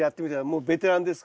もうベテランですから。